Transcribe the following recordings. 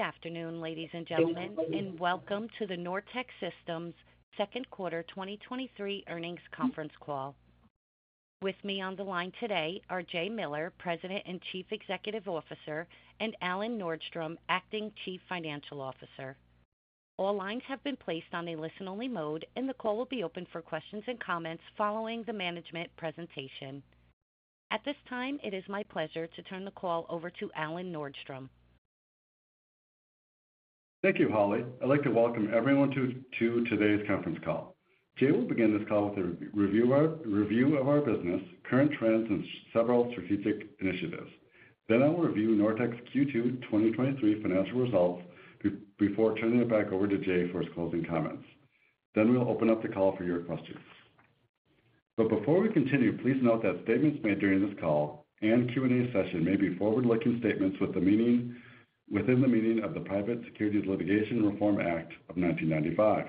Good afternoon, ladies and gentlemen, and welcome to the Nortech Systems second quarter 2023 earnings conference call. With me on the line today are Jay Miller, President and Chief Executive Officer, and Alan Nordstrom, Acting Chief Financial Officer. All lines have been placed on a listen-only mode. The call will be open for questions and comments following the management presentation. At this time, it is my pleasure to turn the call over to Alan Nordstrom. Thank you, Holly. I'd like to welcome everyone to today's conference call. Jay will begin this call with a review of our business, current trends, and several strategic initiatives. I will review Nortech's Q2 2023 financial results before turning it back over to Jay for his closing comments. We'll open up the call for your questions. Before we continue, please note that statements made during this call and Q&A session may be forward-looking statements within the meaning of the Private Securities Litigation Reform Act of 1995.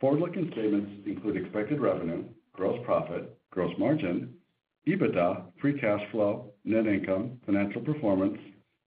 Forward-looking statements include expected revenue, gross profit, gross margin, EBITDA, free cash flow, net income, financial performance,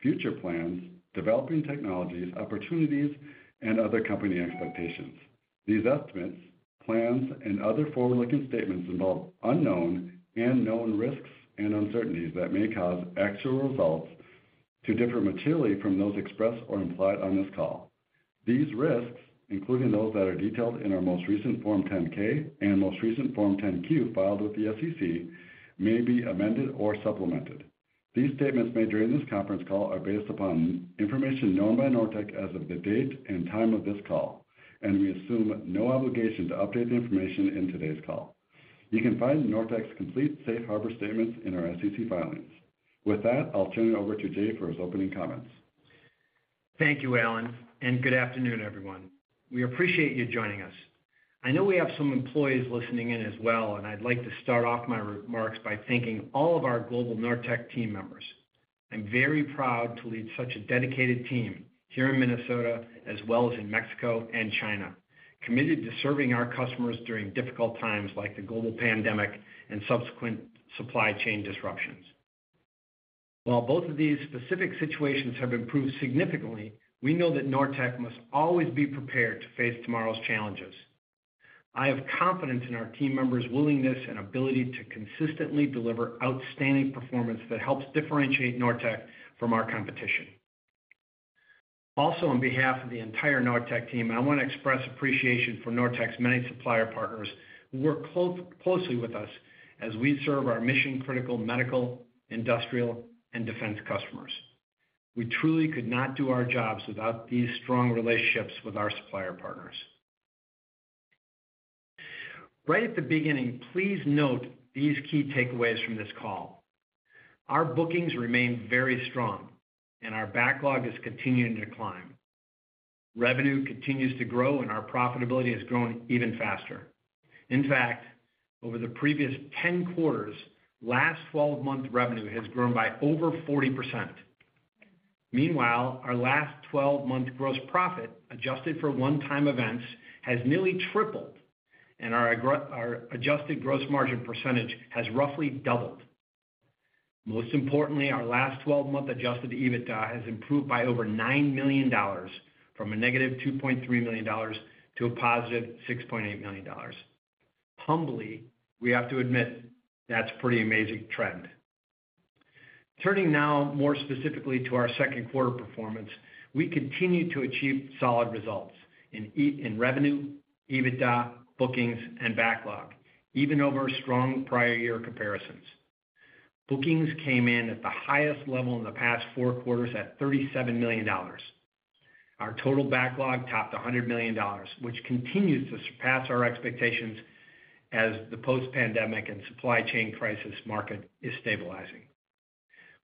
future plans, developing technologies, opportunities, and other company expectations. These estimates, plans, and other forward-looking statements involve unknown and known risks and uncertainties that may cause actual results to differ materially from those expressed or implied on this call. These risks, including those that are detailed in our most recent Form 10-K and most recent Form 10-Q filed with the SEC, may be amended or supplemented. These statements made during this conference call are based upon information known by Nortech as of the date and time of this call, and we assume no obligation to update the information in today's call. You can find Nortech's complete safe harbor statements in our SEC filings. With that, I'll turn it over to Jay for his opening comments. Thank you, Alan, and good afternoon, everyone. We appreciate you joining us. I know we have some employees listening in as well, and I'd like to start off my remarks by thanking all of our global Nortech team members. I'm very proud to lead such a dedicated team here in Minnesota, as well as in Mexico and China, committed to serving our customers during difficult times, like the global pandemic and subsequent supply chain disruptions. While both of these specific situations have improved significantly, we know that Nortech must always be prepared to face tomorrow's challenges. I have confidence in our team members' willingness and ability to consistently deliver outstanding performance that helps differentiate Nortech from our competition. On behalf of the entire Nortech team, I want to express appreciation for Nortech's many supplier partners who work closely with us as we serve our mission-critical medical, industrial, and defense customers. We truly could not do our jobs without these strong relationships with our supplier partners. Right at the beginning, please note these key takeaways from this call. Our bookings remain very strong, and our backlog is continuing to climb. Revenue continues to grow, and our profitability is growing even faster. In fact, over the previous 10 quarters, last 12-month revenue has grown by over 40%. Meanwhile, our last 12-month gross profit, adjusted for one-time events, has nearly tripled, and our adjusted gross margin % has roughly doubled. Most importantly, our last 12-month adjusted EBITDA has improved by over $9 million, from a negative $2.3 million to a positive $6.8 million. Humbly, we have to admit, that's pretty amazing trend. Turning now more specifically to our second quarter performance, we continued to achieve solid results in revenue, EBITDA, bookings, and backlog, even over strong prior year comparisons. Bookings came in at the highest level in the past four quarters at $37 million. Our total backlog topped $100 million, which continues to surpass our expectations as the post-pandemic and supply chain crisis market is stabilizing.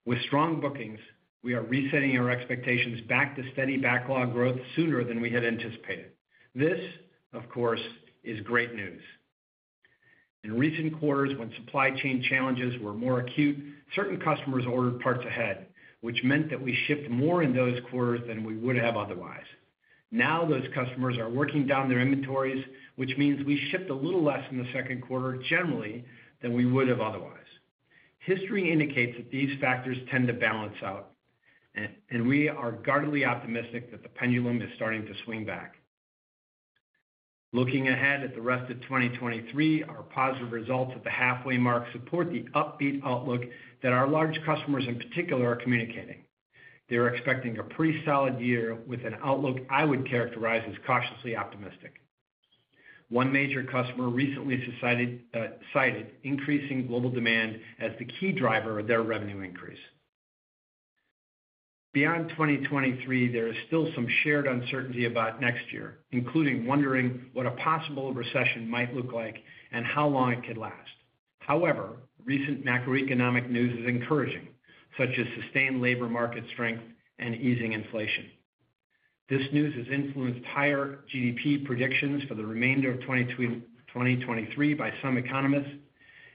With strong bookings, we are resetting our expectations back to steady backlog growth sooner than we had anticipated. This, of course, is great news. In recent quarters, when supply chain challenges were more acute, certain customers ordered parts ahead, which meant that we shipped more in those quarters than we would have otherwise. Now, those customers are working down their inventories, which means we shipped a little less in the second quarter generally than we would have otherwise. History indicates that these factors tend to balance out, and we are guardedly optimistic that the pendulum is starting to swing back. Looking ahead at the rest of 2023, our positive results at the halfway mark support the upbeat outlook that our large customers in particular are communicating. They're expecting a pretty solid year with an outlook I would characterize as cautiously optimistic. One major customer recently cited increasing global demand as the key driver of their revenue increase. Beyond 2023, there is still some shared uncertainty about next year, including wondering what a possible recession might look like and how long it could last. However, recent macroeconomic news is encouraging, such as sustained labor market strength and easing inflation. This news has influenced higher GDP predictions for the remainder of 2023 by some economists,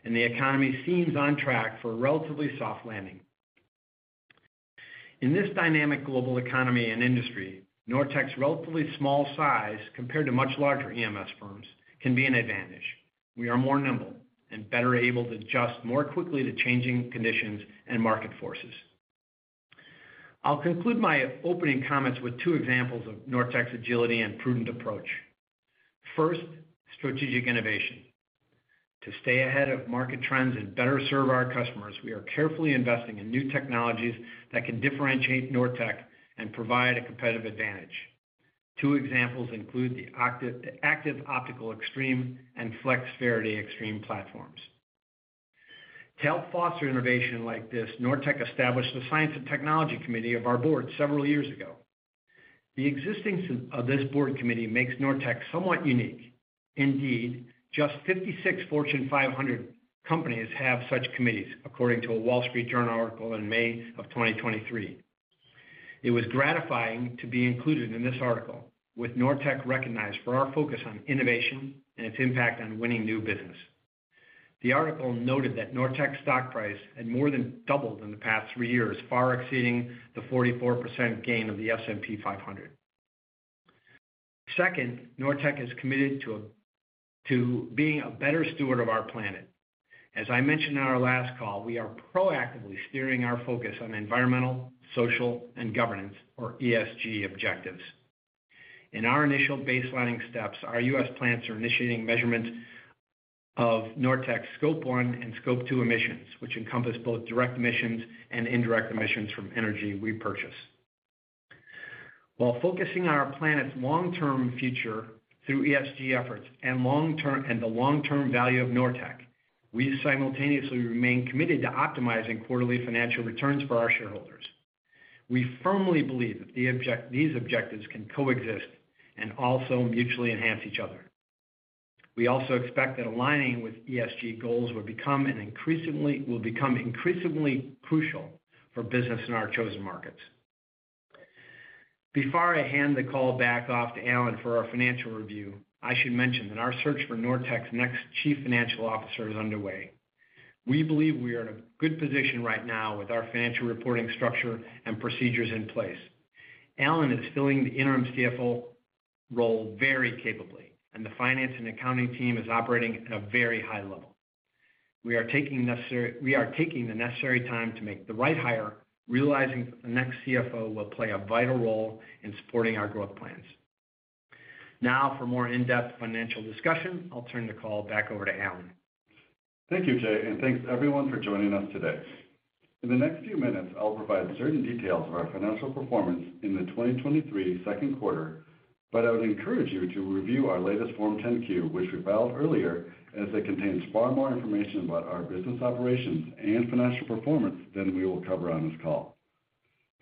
and the economy seems on track for a relatively soft landing. In this dynamic global economy and industry, Nortech's relatively small size, compared to much larger EMS firms, can be an advantage. We are more nimble and better able to adjust more quickly to changing conditions and market forces. I'll conclude my opening comments with two examples of Nortech's agility and prudent approach. First, strategic innovation. To stay ahead of market trends and better serve our customers, we are carefully investing in new technologies that can differentiate Nortech and provide a competitive advantage. Two examples include the Active Optical Xtreme and Flex Faraday Xtreme platforms. To help foster innovation like this, Nortech established the Science and Technology Committee of our board several years ago. The existence of this board committee makes Nortech somewhat unique. Indeed, just 56 Fortune 500 companies have such committees, according to The Wall Street Journal article in May of 2023. It was gratifying to be included in this article, with Nortech recognized for our focus on innovation and its impact on winning new business. The article noted that Nortech's stock price had more than doubled in the past three years, far exceeding the 44% gain of the S&P 500. Second, Nortech is committed to being a better steward of our planet. As I mentioned on our last call, we are proactively steering our focus on environmental, social, and governance, or ESG, objectives. In our initial baselining steps, our U.S. plants are initiating measurements of Nortech Scope 1 and Scope 2 emissions, which encompass both direct emissions and indirect emissions from energy we purchase. While focusing on our planet's long-term future through ESG efforts and the long-term value of Nortech, we simultaneously remain committed to optimizing quarterly financial returns for our shareholders. We firmly believe that these objectives can coexist and also mutually enhance each other. We also expect that aligning with ESG goals will become increasingly crucial for business in our chosen markets. Before I hand the call back off to Alan for our financial review, I should mention that our search for Nortech's next Chief Financial Officer is underway. We believe we are in a good position right now with our financial reporting structure and procedures in place. Alan is filling the interim CFO role very capably, and the finance and accounting team is operating at a very high level. We are taking the necessary time to make the right hire, realizing the next CFO will play a vital role in supporting our growth plans. For more in-depth financial discussion, I'll turn the call back over to Alan. Thank you, Jay, and thanks, everyone, for joining us today. In the next few minutes, I'll provide certain details of our financial performance in the 2023 second quarter, but I would encourage you to review our latest Form 10-Q, which we filed earlier, as it contains far more information about our business operations and financial performance than we will cover on this call.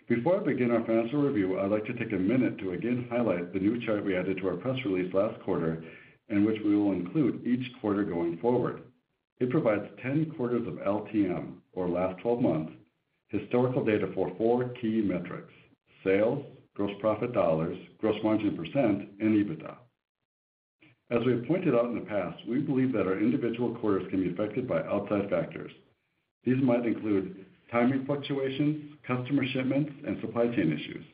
Before I begin our financial review, I'd like to take a minute to again highlight the new chart we added to our press release last quarter, and which we will include each quarter going forward. It provides 10 quarters of LTM, or last 12 months, historical data for four key metrics: sales, gross profit dollars, gross margin %, and EBITDA. As we have pointed out in the past, we believe that our individual quarters can be affected by outside factors. These might include timing fluctuations, customer shipments, and supply chain issues.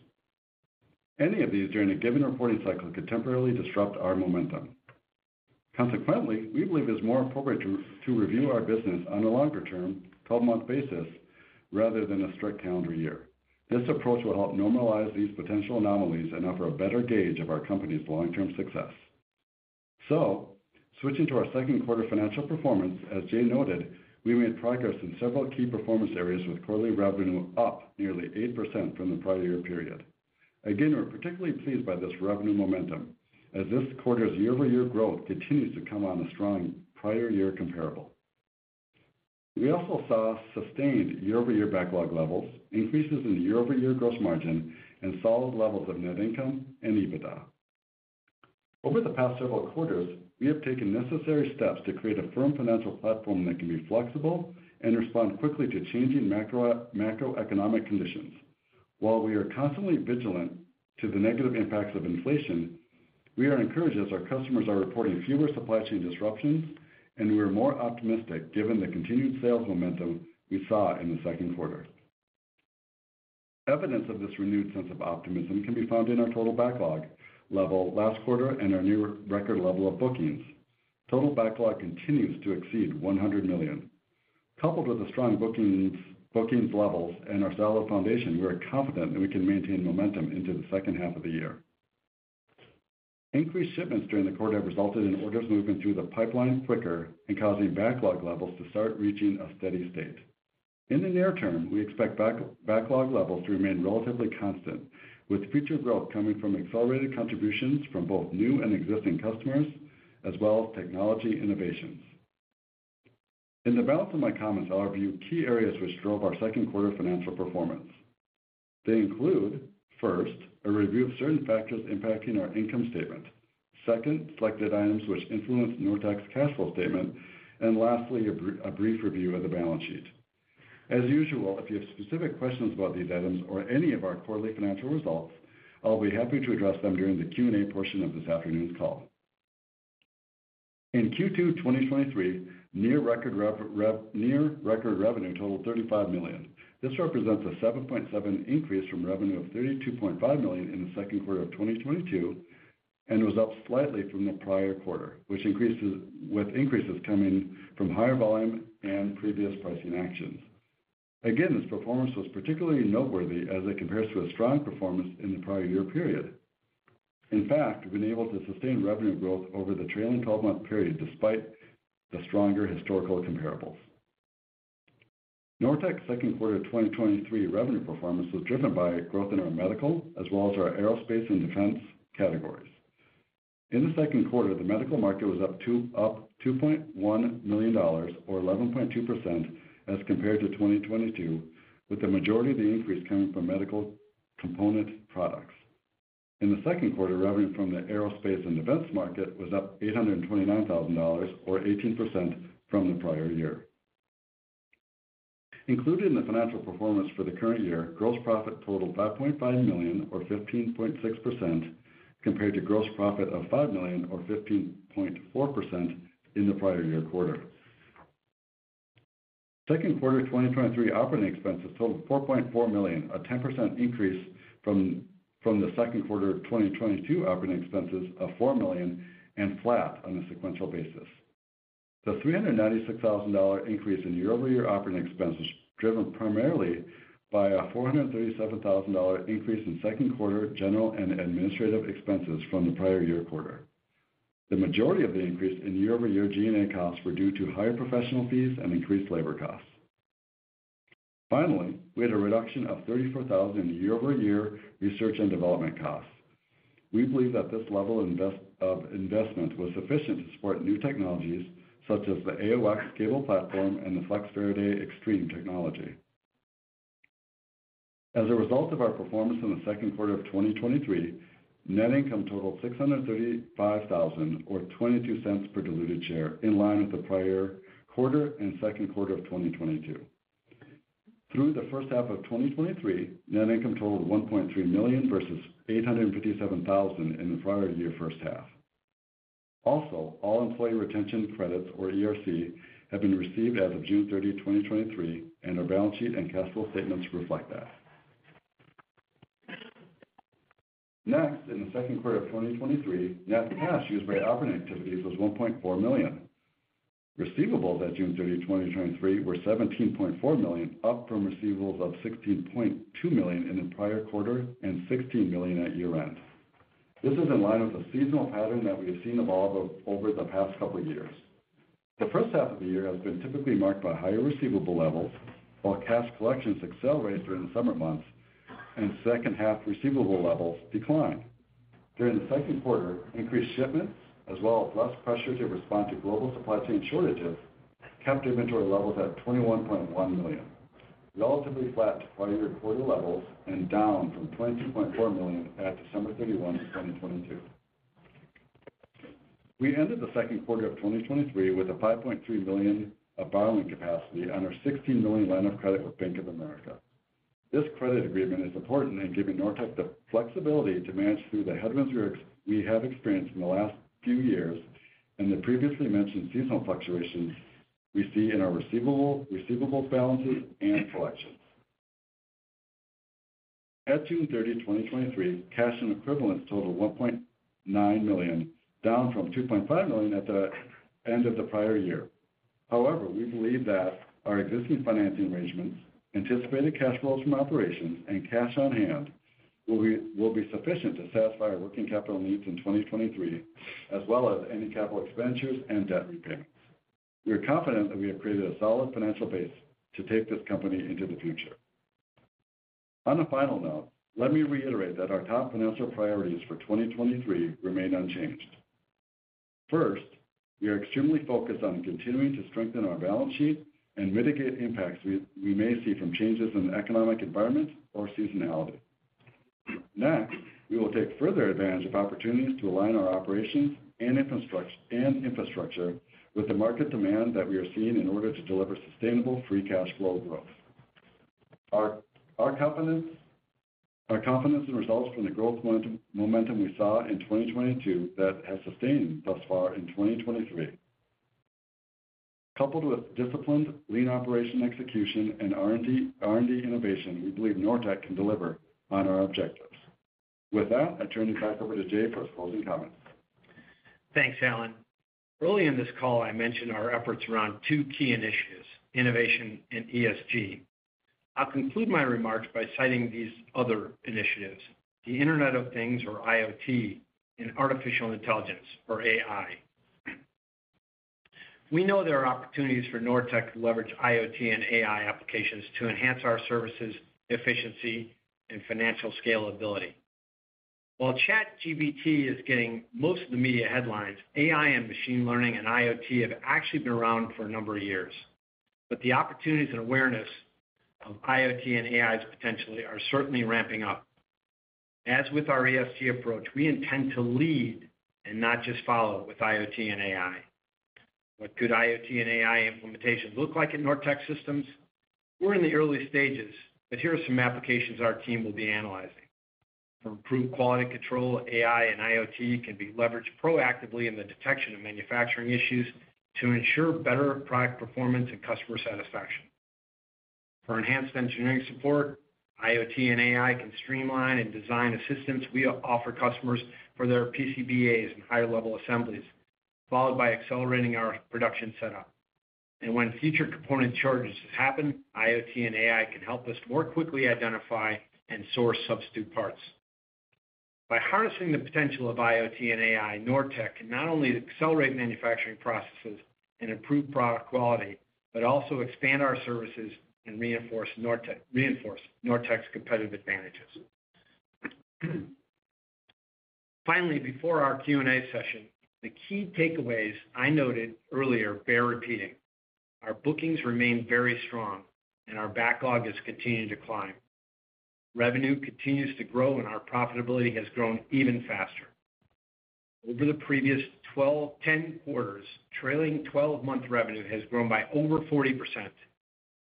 Any of these during a given reporting cycle could temporarily disrupt our momentum. Consequently, we believe it's more appropriate to review our business on a longer-term, 12-month basis rather than a strict calendar year. This approach will help normalize these potential anomalies and offer a better gauge of our company's long-term success. Switching to our second quarter financial performance, as Jay noted, we made progress in several key performance areas, with quarterly revenue up nearly 8% from the prior year period. We're particularly pleased by this revenue momentum, as this quarter's year-over-year growth continues to come on a strong prior year comparable. We also saw sustained year-over-year backlog levels, increases in year-over-year gross margin, and solid levels of net income and EBITDA. Over the past several quarters, we have taken necessary steps to create a firm financial platform that can be flexible and respond quickly to changing macroeconomic conditions. While we are constantly vigilant to the negative impacts of inflation, we are encouraged as our customers are reporting fewer supply chain disruptions, and we are more optimistic given the continued sales momentum we saw in the second quarter. Evidence of this renewed sense of optimism can be found in our total backlog level last quarter and our new record level of bookings. Total backlog continues to exceed $100 million. Coupled with the strong bookings, bookings levels and our solid foundation, we are confident that we can maintain momentum into the second half of the year. Increased shipments during the quarter have resulted in orders moving through the pipeline quicker and causing backlog levels to start reaching a steady state. In the near term, we expect backlog levels to remain relatively constant, with future growth coming from accelerated contributions from both new and existing customers, as well as technology innovations. In the balance of my comments, I'll review key areas which drove our second quarter financial performance. They include, first, a review of certain factors impacting our income statement. Second, selected items which influence Nortech's cash flow statement, and lastly, a brief review of the balance sheet. As usual, if you have specific questions about these items or any of our quarterly financial results, I'll be happy to address them during the Q&A portion of this afternoon's call. In Q2, 2023, near record revenue totaled $35 million. This represents a 7.7 increase from revenue of $32.5 million in the second quarter of 2022, and was up slightly from the prior quarter, with increases coming from higher volume and previous pricing actions. Again, this performance was particularly noteworthy as it compares to a strong performance in the prior year period. In fact, we've been able to sustain revenue growth over the trailing 12-month period, despite the stronger historical comparables. Nortech's second quarter of 2023 revenue performance was driven by growth in our medical, as well as our aerospace and defense categories. In the second quarter, the medical market was up $2.1 million, or 11.2% as compared to 2022, with the majority of the increase coming from medical component products. In the second quarter, revenue from the aerospace and defense market was up $829,000, or 18%, from the prior year. Included in the financial performance for the current year, gross profit totaled $5.5 million or 15.6%, compared to gross profit of $5 million or 15.4% in the prior year quarter. Second quarter 2023 operating expenses totaled $4.4 million, a 10% increase from the second quarter of 2022 operating expenses of $4 million, and flat on a sequential basis. The $396,000 increase in year-over-year operating expenses, driven primarily by a $437,000 increase in second quarter General and Administrative Expenses from the prior year quarter. The majority of the increase in year-over-year G&A costs were due to higher professional fees and increased labor costs. Finally, we had a reduction of $34,000 in year-over-year research and development costs. We believe that this level of investment was sufficient to support new technologies, such as the AOX cable platform and the Flex Faraday Xtreme technology. As a result of our performance in the second quarter of 2023, net income totaled $635,000, or $0.22 per diluted share, in line with the prior quarter and second quarter of 2022. Through the first half of 2023, net income totaled $1.3 million versus $857,000 in the prior year first half. All employee retention credits, or ERC, have been received as of June 30th, 2023, and our balance sheet and cash flow statements reflect that. In the second quarter of 2023, net cash used by operating activities was $1.4 million. Receivables at June 30th, 2023, were $17.4 million, up from receivables of $16.2 million in the prior quarter and $16 million at year-end. This is in line with the seasonal pattern that we have seen evolve over the past couple of years. The first half of the year has been typically marked by higher receivable levels, while cash collections accelerate during the summer months, and second half receivable levels decline. During the second quarter, increased shipments, as well as less pressure to respond to global supply chain shortages, kept inventory levels at $21.1 million, relatively flat to prior year quarter levels, and down from $22.4 million at December 31st, 2022. We ended the second quarter of 2023 with a $5.3 million of borrowing capacity on our $16 million line of credit with Bank of America. This credit agreement is important in giving Nortech the flexibility to manage through the headwinds we have experienced in the last few years, and the previously mentioned seasonal fluctuations we see in our receivable balances and collections. At June 30th, 2023, cash and equivalents totaled $1.9 million, down from $2.5 million at the end of the prior year. However, we believe that our existing financing arrangements, anticipated cash flows from operations, and cash on hand will be sufficient to satisfy our working capital needs in 2023, as well as any capital expenditures and debt repayments. We are confident that we have created a solid financial base to take this company into the future. On a final note, let me reiterate that our top financial priorities for 2023 remain unchanged. First, we are extremely focused on continuing to strengthen our balance sheet and mitigate impacts we may see from changes in the economic environment or seasonality. Next, we will take further advantage of opportunities to align our operations and infrastructure with the market demand that we are seeing in order to deliver sustainable free cash flow growth. Our confidence, our confidence and results from the growth momentum we saw in 2022, that has sustained thus far in 2023. Coupled with disciplined lean operation execution and R&D innovation, we believe Nortech can deliver on our objectives. With that, I turn it back over to Jay for his closing comments. Thanks, Alan. Early in this call, I mentioned our efforts around two key initiatives, innovation and ESG. I'll conclude my remarks by citing these other initiatives, the Internet of Things, or IoT, and artificial intelligence, or AI. We know there are opportunities for Nortech to leverage IoT and AI applications to enhance our services, efficiency, and financial scalability. While ChatGPT is getting most of the media headlines, AI and machine learning and IoT have actually been around for a number of years. The opportunities and awareness of IoT and AI's potentially, are certainly ramping up. As with our ESG approach, we intend to lead and not just follow with IoT and AI. What could IoT and AI implementation look like in Nortech Systems? We're in the early stages, but here are some applications our team will be analyzing. For improved quality control, AI and IoT can be leveraged proactively in the detection of manufacturing issues to ensure better product performance and customer satisfaction. For enhanced engineering support, IoT and AI can streamline and design the systems we offer customers for their PCBAs and higher-level assemblies....followed by accelerating our production setup. When future component shortages happen, IoT and AI can help us more quickly identify and source substitute parts. By harnessing the potential of IoT and AI, Nortech can not only accelerate manufacturing processes and improve product quality, but also expand our services and reinforce Nortech, reinforce Nortech's competitive advantages. Finally, before our Q&A session, the key takeaways I noted earlier bear repeating. Our bookings remain very strong, and our backlog has continued to climb. Revenue continues to grow, and our profitability has grown even faster. Over the previous 10 quarters, trailing 12-month revenue has grown by over 40%.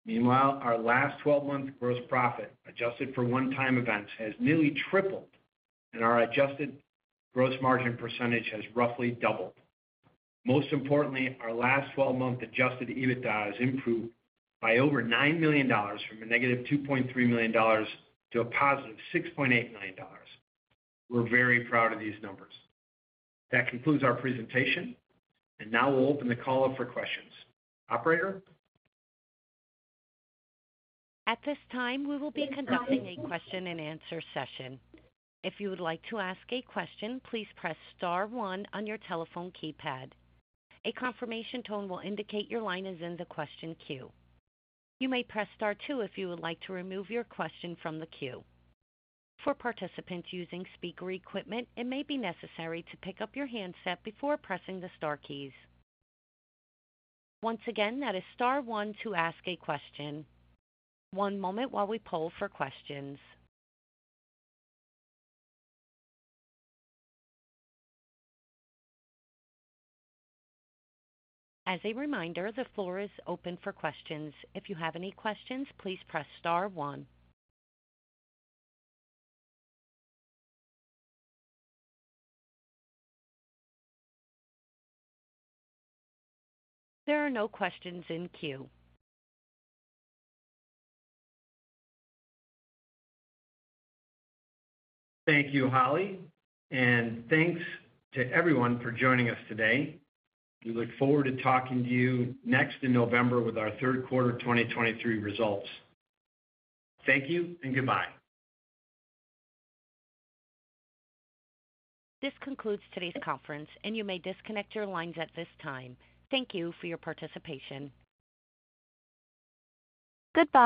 Meanwhile, our last 12-month gross profit, adjusted for one-time events, has nearly tripled, and our adjusted gross margin percentage has roughly doubled. Most importantly, our last 12-month adjusted EBITDA has improved by over $9 million from -$2.3 million to $6.8 million. We're very proud of these numbers. That concludes our presentation, and now we'll open the call up for questions. Operator? At this time, we will be conducting a question-and-answer session. If you would like to ask a question, please press star one on your telephone keypad. A confirmation tone will indicate your line is in the question queue. You may press star two if you would like to remove your question from the queue. For participants using speaker equipment, it may be necessary to pick up your handset before pressing the star keys. Once again, that is star one to ask a question. One moment while we poll for questions. As a reminder, the floor is open for questions. If you have any questions, please press star one. There are no questions in queue. Thank you, Holly, and thanks to everyone for joining us today. We look forward to talking to you next in November with our third quarter 2023 results. Thank you and goodbye. This concludes today's conference, and you may disconnect your lines at this time. Thank you for your participation. Goodbye!